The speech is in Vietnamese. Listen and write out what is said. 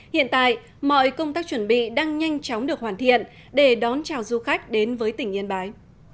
hiện tại mọi công tác chuẩn bị đang nhanh chóng được hoàn thiện để đón chào du khách đến với tỉnh yên bái